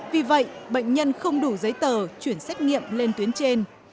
vì vậy bệnh nhân không đủ giấy tờ chuyển xét nghiệm lên tuyến trên